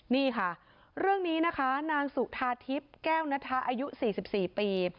นี่ค่ะเรื่องนี้นะคะนางสุธาทิพย์แก้วนทะอายุ๔๔ปี